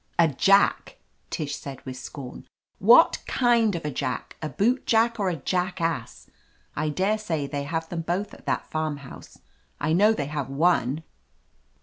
"A jack!" Tish said with scorn. "What kind of a jack — a bootjack or a jackass? I daresay they have them both at that farm house; I know they have one."